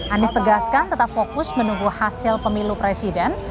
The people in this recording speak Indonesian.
anies tegaskan tetap fokus menunggu hasil pemilu presiden